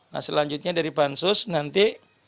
nah selanjutnya dari pansus nanti akan memperbaiki